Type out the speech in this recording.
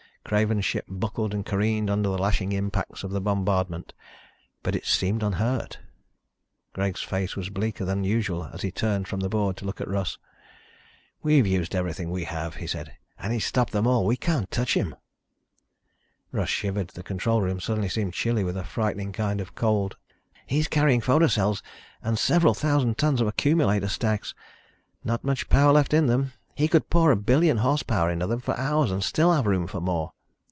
Craven's ship buckled and careened under the lashing impacts of the bombardment, but it seemed unhurt! Greg's face was bleaker than usual as he turned from the board to look at Russ. "We've used everything we have," he said, "and he's stopped them all. We can't touch him." Russ shivered. The control room suddenly seemed chilly with a frightening kind of cold. "He's carrying photo cells and several thousand tons of accumulator stacks. Not much power left in them. He could pour a billion horsepower into them for hours and still have room for more."